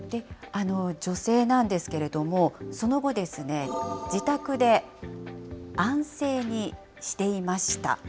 女性なんですけれども、その後、自宅で安静にしていました。